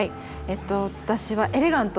私はエレガントを。